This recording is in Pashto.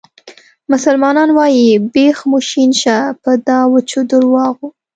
مسلمانان وایي بیخ مو شین شه په دا وچو درواغو.